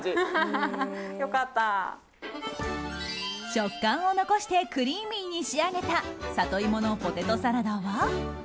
食感を残してクリーミーに仕上げたサトイモのポテトサラダは。